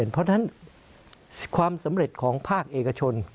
เพราะฉะนั้นความสำเร็จของภาคเอกชน